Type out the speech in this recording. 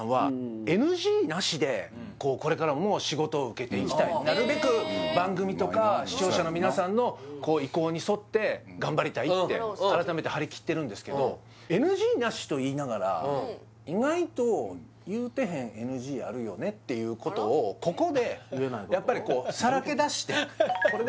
はいでこうこれからも仕事を受けていきたいなるべく番組とかって改めて張り切ってるんですけどＮＧなしと言いながら意外と言うてへんＮＧあるよねっていうことをここでやっぱりこうさらけ出してどういうこと？